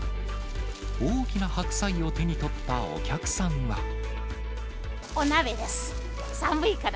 大きな白菜を手に取ったお客さんは。